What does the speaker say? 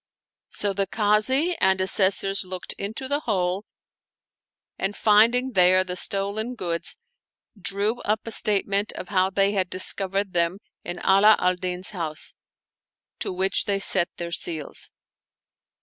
So the 143 Oriental Mystery Stories Kazi and Assessors looked into the hole and finding there the stolen goods, drew up a statement of how they had discovered them in Ala al Din's house, to which they set their seals.